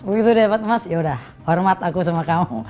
begitu dia dapat emas yaudah hormat aku sama kamu